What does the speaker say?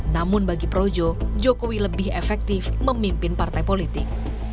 namun bagi projo jokowi lebih efektif memimpin partai politik